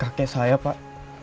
kakek saya pak